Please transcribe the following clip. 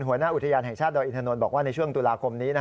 หัวหน้าอุทยานแห่งชาติดอยอินทนนท์บอกว่าในช่วงตุลาคมนี้